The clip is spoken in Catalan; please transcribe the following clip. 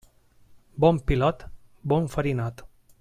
Bon pilot, bon farinot.